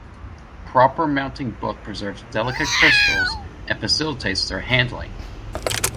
Proper mounting both preserves delicate crystals, and facilitates their handling.